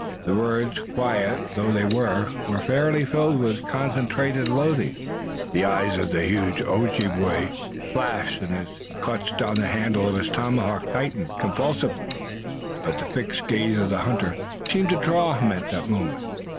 The words, quiet though they were, were fairly filled with concentrated loathing. The eyes of the huge Ojibway flashed and his clutch on the handle of his tomahawk tightened convulsively, but the fixed gaze of the hunter seemed to draw him at that moment.